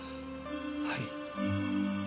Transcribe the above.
はい。